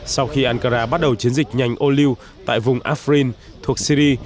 sau khi ankara bắt đầu chiến dịch nhanh ô liu tại vùng afrin thuộc syri